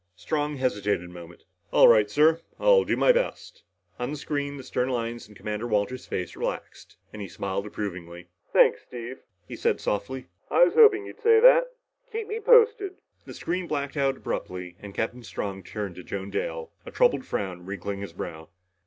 Strong hesitated a moment. "All right, sir. I'll do my best." On the screen the stern lines in Commander Walters' face relaxed and he smiled approvingly. "Thanks, Steve," he said softly. "I was hoping you'd say that. Keep me posted." The screen blacked out abruptly and Captain Strong turned to Joan Dale, a troubled frown wrinkling his brow.